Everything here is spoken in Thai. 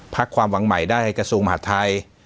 พักความหวังใหม่ได้กระทรวงมหาดไทย